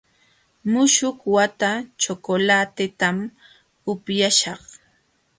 Muśhuq wata chocolatetam upyaśhaq.